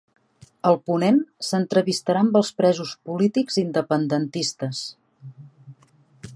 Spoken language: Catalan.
El ponent s'entrevistarà amb els presos polítics independentistes